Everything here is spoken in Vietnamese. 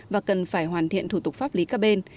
và cần phải hoàn thiện thủ tục pháp lý các bên